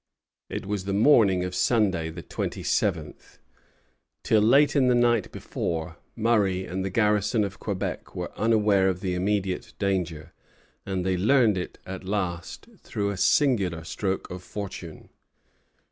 It was the morning of Sunday, the twenty seventh. Till late in the night before, Murray and the garrison of Quebec were unaware of the immediate danger; and they learned it at last through a singular stroke of fortune.